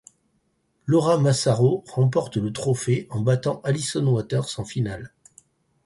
Laura Massaro remporte le trophée en battant Alison Waters en finale.